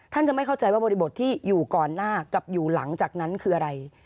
ท่านจะไม่เข้าใจว่าบริบทที่อยู่ก่อนหน้ากับอยู่หลังจากนั้นคืออะไร